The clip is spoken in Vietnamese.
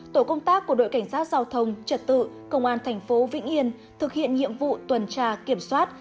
tổ công tác của đội cảnh sát giao thông trật tự công an thành phố vĩnh yên thực hiện nhiệm vụ tuần tra kiểm soát